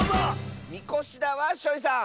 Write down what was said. みこしだワッショイさん！